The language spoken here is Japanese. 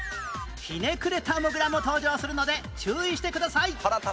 ひねくれたモグラも登場するので注意してください！